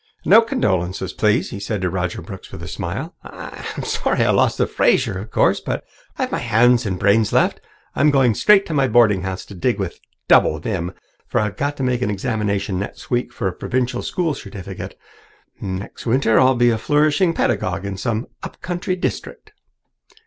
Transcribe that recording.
"No condolences, please," he said to Roger Brooks with a smile. "I'm sorry I lost the Fraser, of course, but I've my hands and brains left. I'm going straight to my boarding house to dig with double vim, for I've got to take an examination next week for a provincial school certificate. Next winter I'll be a flourishing pedagogue in some up country district."